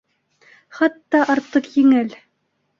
Хатта артыҡ еңел.